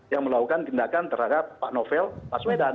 yang melakukan tindakan terhadap pak novel baswedan